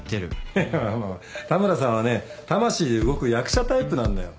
いやまあまあ田村さんはね魂で動く役者タイプなんだよ。